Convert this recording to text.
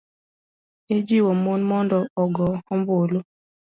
ijiwo mon mondo ogo ombulu.